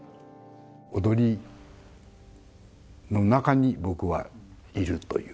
踊りの中に僕はいるという。